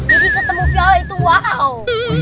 jadi ketemu piala itu wow